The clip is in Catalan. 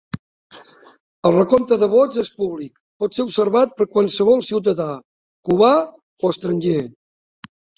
El recompte de vots és públic, pot ser observat per qualsevol ciutadà, cubà o estranger.